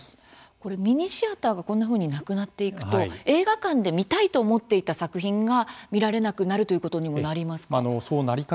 これ、ミニシアターがこんなふうに、なくなっていくと映画館で見たいと思っていた作品が見られなくなるということにもなりますか。